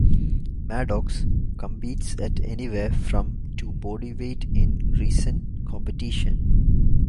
Maddox competes at anywhere from to bodyweight in recent competition.